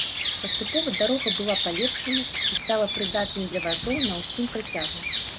Паступова дарога была палепшана, і стала прыдатнай для вазоў на ўсім працягу.